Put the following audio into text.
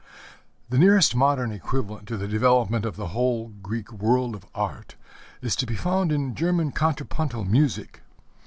The nearest modern equivalent to the development of the whole Greek world of art is to be found in German contrapuntal music.